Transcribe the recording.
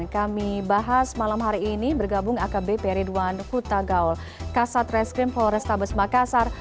kami bahas malam hari ini bergabung akb peridwan kutagaul kasat reskrim polrestabes makassar